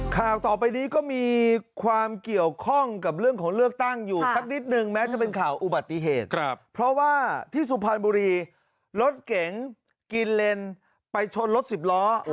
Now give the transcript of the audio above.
ข่าวต่อไปนี้ก็มีความเกี่ยวข้องกับเรื่องของเลือกตั้งอยู่สักนิดนึงแม้จะเป็นข่าวอุบัติเหตุเพราะว่าที่สุพรรณบุรีรถเก๋งกินเลนไปชนรถสิบล้อ